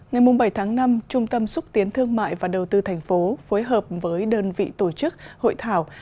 ngày bảy tháng năm trung tâm xúc tiến thương mại và đầu tư thành phố phối hợp với đơn vị tổ chức hội thảo